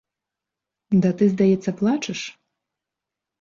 Ды ты, здаецца, плачаш?